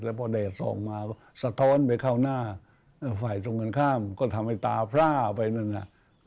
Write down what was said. พอแดดส่องมาสะท้อนไปเข้าหน้าฝ่ายตรงกันข้ามก็ทำให้ตาพร่าไปหนึ่งอ่ะ